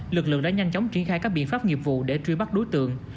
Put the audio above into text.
lực lượng đã nhanh chóng triển khai các biện pháp nghiệp vụ để truy bắt đối tượng